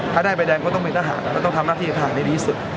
ถ้าได้ใบแดงก็ต้องเป็นทหารก็ต้องทำหน้าที่ทหารให้ดีที่สุด